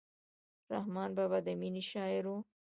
رحمان بابا د مینې شاعر و.